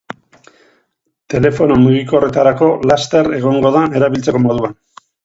Telefono mugikorretarako laster egongo da erabiltzeko moduan.